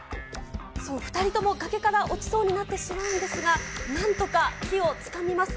そう、２人とも崖から落ちそうになってしまうんですが、なんとか木をつかみます。